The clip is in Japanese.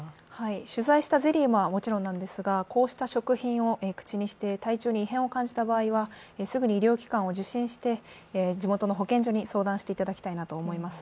取材したゼリーはもちろんなんですが、こうした食品を口にして、体調に異変を感じた場合は、すぐに医療機関を受診して地元の保健所に相談していただきたいなと思います。